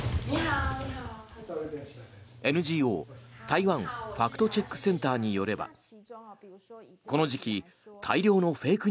ＮＧＯ、台湾ファクトチェックセンターによればこの時期大量のフェイク